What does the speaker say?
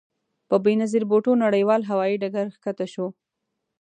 په بې نظیر بوټو نړیوال هوايي ډګر کښته شوو.